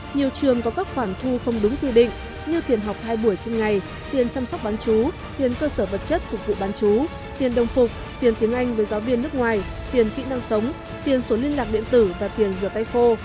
nhiều trường có các khoản thu không đúng quy định như tiền học hai buổi trên ngày tiền chăm sóc bán chú tiền cơ sở vật chất phục vụ bán chú tiền đồng phục tiền tiếng anh với giáo viên nước ngoài tiền kỹ năng sống tiền số liên lạc điện tử và tiền rửa tay khô